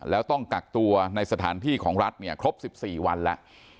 แล้วต้องกักตัวในสถานที่ของรัฐเนี่ยครบ๑๔วันแล้ว